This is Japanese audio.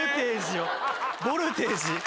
ボルテージ。